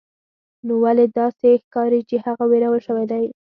نو ولې داسې ښکاري چې هغه ویرول شوی دی